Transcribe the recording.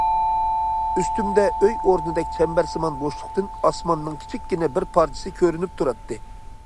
ئۈستۈمدە ئۆي ئورنىدەك چەمبەرسىمان بوشلۇقتىن ئاسماننىڭ كىچىككىنە بىر پارچىسى كۆرۈنۈپ تۇراتتى.